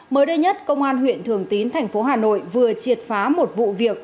mới đây nhất công an huyện thường tín thành phố hà nội vừa triệt phá một vụ việc